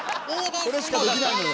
これしかできないのよ。